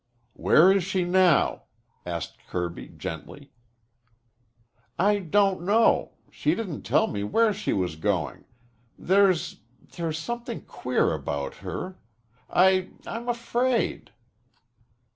"Where is she now?" asked Kirby gently. "I don't know. She didn't tell me where she was going. There's there's something queer about her. I I'm afraid."